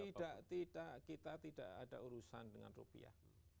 tidak tidak kita tidak ada urusan dengan rupiah